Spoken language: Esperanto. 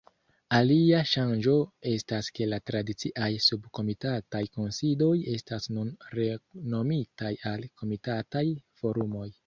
Alia ŝanĝo estas ke la tradiciaj subkomitataj kunsidoj estas nun renomitaj al komitataj forumoj.